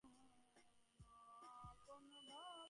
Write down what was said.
পাশের একটা ঘর হইতে সাড়া আসিল, কে ও, উমেশ না কি!